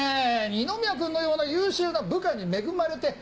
二宮君のような優秀な部下に恵まれて。